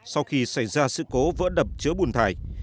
sau khi xảy ra sự cố vỡ đập chứa bùn thải